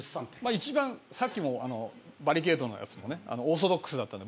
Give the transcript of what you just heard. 一番さっきもバリケードのもオーソドックスだったんで。